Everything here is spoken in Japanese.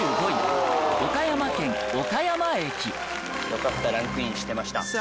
「よかったランクインしてました」